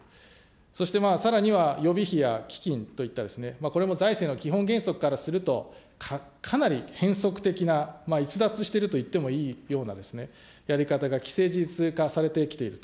そしてさらには予備費や基金といった、これも財政の基本原則からすると、かなり変則的な逸脱してるといってもいいようなやり方が既成事実化されてきていると。